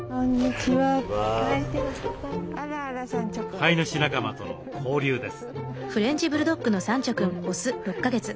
飼い主仲間との交流です。